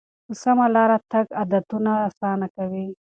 په سمه لاره تګ عادتونه اسانه کوي.